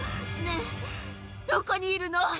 ねぇどこにいるの？